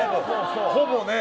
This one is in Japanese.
ほぼね。